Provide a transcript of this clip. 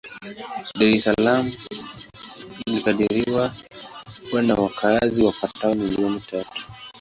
Dar es Salaam inakadiriwa kuwa na wakazi wapatao milioni tatu.